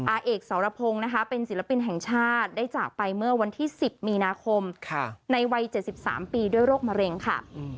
อาเอกสรพงศ์นะคะเป็นศิลปินแห่งชาติได้จากไปเมื่อวันที่๑๐มีนาคมในวัย๗๓ปีด้วยโรคมะเร็งค่ะ